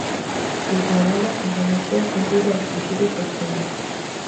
Luís Lamela homenaxea cun libro aos fuxidos do Pindo.